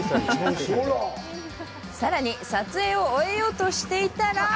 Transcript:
さらに、撮影を終えようとしていたら。